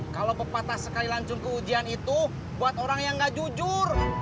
kalau pepatah sekali lanjut ke ujian itu buat orang yang gak jujur